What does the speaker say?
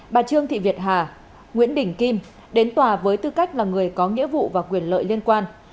bà trương thị việt hà nguyễn đình kim đến tòa với tư cách là người có nghĩa vụ và quyền lợi liên quan